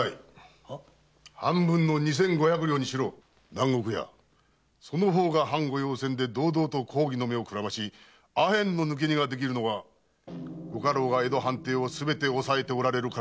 南国屋その方が藩御用船で堂々と公儀の目をくらまし阿片の抜け荷ができるのはご家老が江戸藩邸をすべて押さえておられるからだぞ。